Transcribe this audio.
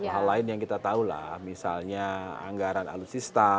hal lain yang kita tahu lah misalnya anggaran alutsista